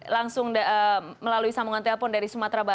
langsung melalui sambungan telepon dari sumatera